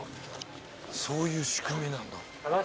そういう仕組みなんだ。